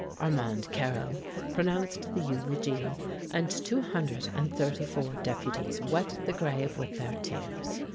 Armand Carrel pronounced the eulogy, and two hundred and thirty four deputies wet the grave with their tears.